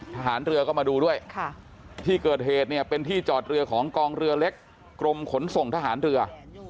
ทหารเรือก็มาดูด้วยที่เกิดเหตุเนี่ยเป็นที่จอดเรือของกองเรือเล็กกรมขนส่งทหารเรือ